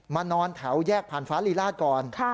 นอนแถวแยกผ่านฟ้ารีราชก่อน